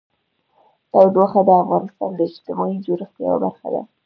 تودوخه د افغانستان د اجتماعي جوړښت یوه برخه ده.